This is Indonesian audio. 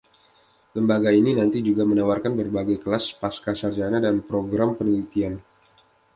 Lembaga ini nanti juga menawarkan berbagai kelas pascasarjana dan program penelitian.